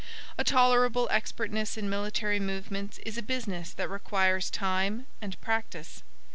A tolerable expertness in military movements is a business that requires time and practice.